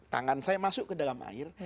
tangan saya masuk ke dalam air